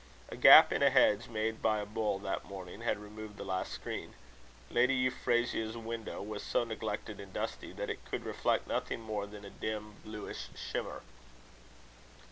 A gap in a hedge made by a bull that morning, had removed the last screen. Lady Euphrasia's window was so neglected and dusty, that it could reflect nothing more than a dim bluish shimmer.